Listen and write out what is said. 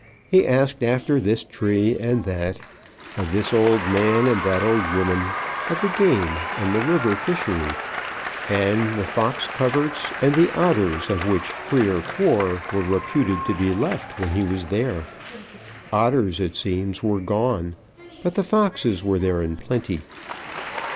He asked after this tree and that, of this old man and that old woman, of the game, and the river fishery, and the fox coverts, and the otters of which three or four were reputed to be left when he was there. Otters it seems were gone, but the foxes were there in plenty.